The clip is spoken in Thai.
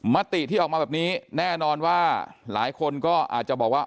มติที่ออกมาแบบนี้แน่นอนว่าหลายคนก็อาจจะบอกว่า